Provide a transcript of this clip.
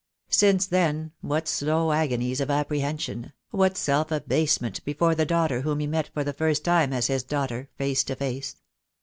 Since then what slow agonies of apprehension — what self abasement before the daughter whom he met for the first time as his daughter, face to face!